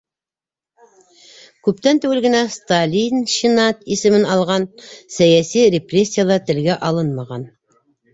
Күптән түгел генә «сталинщина» исемен алған сәйәси репрессиялар телгә алынмаған.